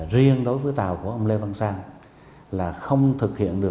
riêng đối với tàu của ông lê văn sang là không thực hiện được